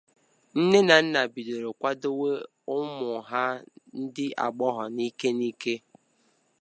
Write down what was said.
Nne na nna bidoro kwadowe ụmụ ha ndị agbọghọbịa n’ike n’ike